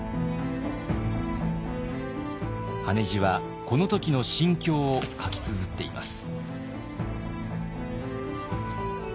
羽地はこの時の心境を書きつづっています。